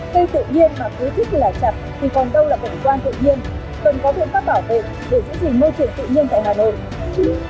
cây tự nhiên mà cứ thích là chặt thì còn đâu là cảnh quan tự nhiên cần có biện pháp bảo vệ để giữ gìn môi trường tự nhiên tại hà nội